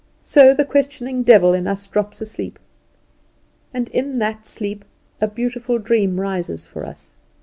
So the questioning devil in us drops asleep, and in that sleep a beautiful dream rises for us.